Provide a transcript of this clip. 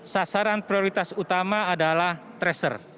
sasaran prioritas utama adalah tracer